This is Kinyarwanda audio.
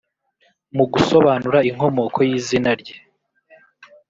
Mu gusobanura inkomoko y’izina rye